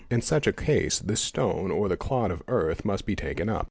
In such _@ case the stone or the clod of earth must be taken up.